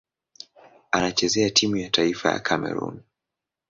Anachezea timu ya taifa ya Kamerun.